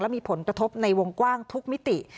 มีผลกระทบในวงกว้างทุกมิติ